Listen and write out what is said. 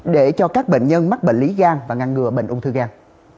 để cho các bệnh nhân mắc bệnh lý gan và ngăn ngừa bệnh ung thư gan